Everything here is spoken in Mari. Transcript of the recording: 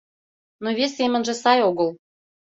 Но вес семынже, сай огыл.